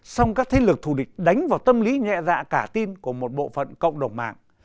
song các thế lực thù địch đánh vào tâm lý nhẹ dạ cả tin của một bộ phận cộng đồng mạng